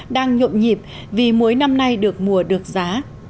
đang nhộn nhịp vì muối năm nay được mùa được giá